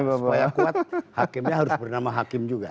supaya kuat hakimnya harus bernama hakim juga